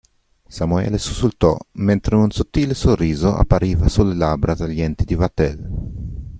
Samuele sussultò, mentre un sottile sorriso appariva sulle labbra taglienti di Vatel.